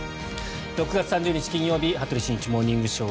６月３０日、金曜日「羽鳥慎一モーニングショー」。